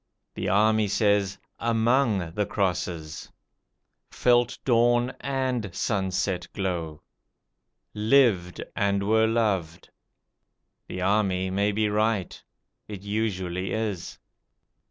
The army says, "AMONG the crosses"; "felt dawn AND sunset glow"; "LIVED and were loved". The army may be right: it usually is.